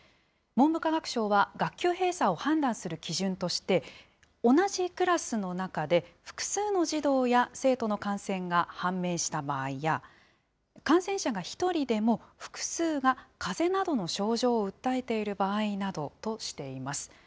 文部科学省は、学級閉鎖を判断する基準として、同じクラスの中で複数の児童や生徒の感染が判明した場合や、感染者が１人でも、複数がかぜなどの症状を訴えている場合などとしています。